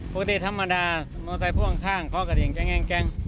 ปกติธรรมดามองไซส์ผู้ข้างเคาะกระดิ่งแก๊ง